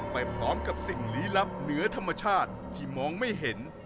ไปพร้อมกับสิ่งลี้ลับเหนือธรรมชาติที่มองไม่เห็น